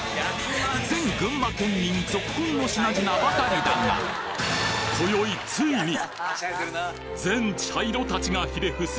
全群馬県民ゾッコンの品々ばかりだが今宵全茶色たちがひれ伏す